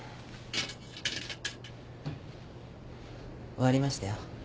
終わりましたよ。